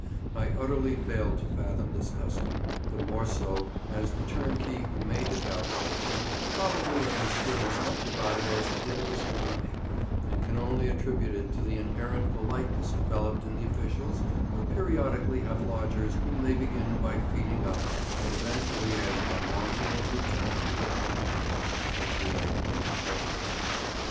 I utterly failed to fathom this custom, the more so as the turnkey who made the calculation probably understood as much about it as he did of astronomy, and can only attribute it to the inherent politeness developed in the officials who periodically have lodgers whom they begin by feeding up, and eventually end by launching into eternity with a hand shake, if we are to believe the papers.